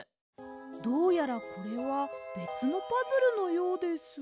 どうやらこれはべつのパズルのようです。